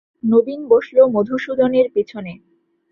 নবীন বসল মধুসূদনের পিছনে।